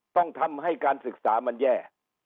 ต้องทำให้การศึกษามันแย่